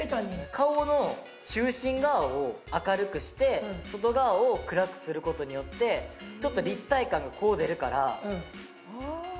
顔の中心側を明るくして外側を暗くする事によってちょっと立体感がこう出るからここがシャープに見える。